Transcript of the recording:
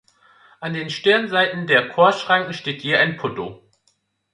An den Stirnseiten der Chorschranken steht je ein Putto.